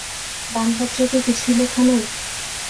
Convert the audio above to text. দানপত্রে কি কিছুই লেখা নেই?